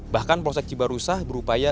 bahkan polsek cibarusah berupaya